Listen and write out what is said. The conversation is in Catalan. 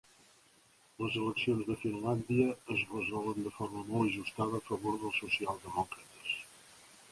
Les eleccions de Finlàndia es resolen de forma molt ajustada a favor dels socialdemòcrates